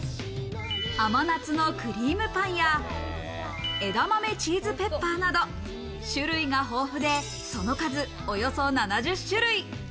甘夏のクリームパンや枝豆チーズペッパーなど種類が豊富で、その数およそ７０種類。